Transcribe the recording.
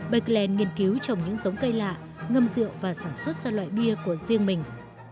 bakland nghiên cứu trồng những giống cây lạ ngâm rượu và sản xuất ra loại bia của riêng mình